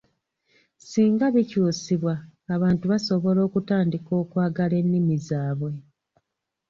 "Singa bikyusibwa, abantu basobola okutandika okwagala ennimi zaabwe."